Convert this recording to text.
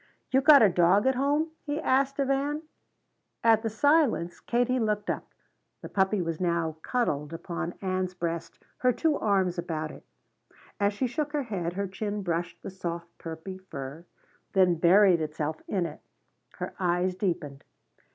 "You got a dog at home?" he asked of Ann. At the silence, Katie looked up. The puppy was now cuddled upon Ann's breast, her two arms about it. As she shook her head her chin brushed the soft puppy fur then buried itself in it. Her eyes deepened.